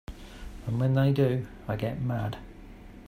And when they do I get mad.